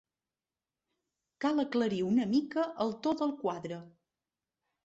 Cal aclarir una mica el to del quadre.